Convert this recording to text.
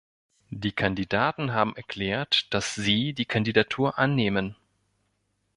Die Kandidaten haben erklärt, dass Sie die Kandidatur annehmen.